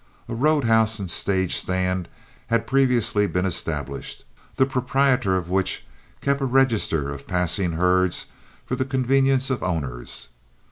A road house and stage stand had previously been established, the proprietor of which kept a register of passing herds for the convenience of owners.